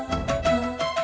nih aku tidur